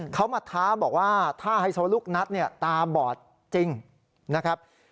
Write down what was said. เขามาท้าบอกว่าถ้าไฮโซลูกนัดเนี่ยตาบอดจริงนะครับ